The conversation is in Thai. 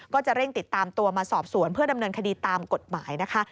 ก็จะเร่งติดตามตัวมาสอบสวนเพื่อดำเนินคดีตามกฎหมายนะคะ